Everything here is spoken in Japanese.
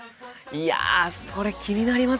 いやそれ気になりますよね。